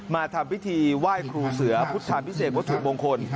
มาทำพิธีไหว้ครูเสือพุทธาพิเศษวัตถุมงคล